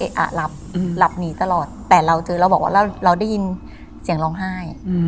หลับหลับหนีตลอดแต่เราเจอเราบอกว่าเราได้ยินเสียงร้องไห้